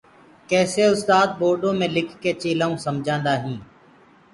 ڪيسي اُستآد بورڊو مي لکڪي چيلآئون سمجآدآ هين